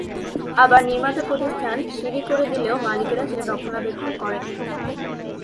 আবার নির্মাতা প্রতিষ্ঠান সিঁড়ি করে দিলেও মালিকেরা সেটি রক্ষণাবেক্ষণ করেন না।